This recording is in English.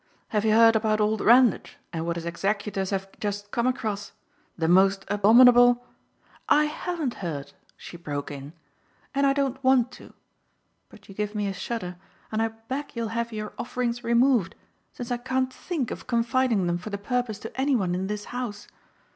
Have you heard about old Randage and what his executors have just come across? The most abominable " "I haven't heard," she broke in, "and I don't want to; but you give me a shudder and I beg you'll have your offerings removed, since I can't think of confiding them for the purpose to any one in this house.